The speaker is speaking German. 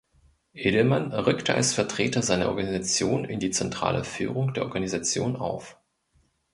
Edelman rückte als Vertreter seiner Organisation in die zentrale Führung der Organisation auf.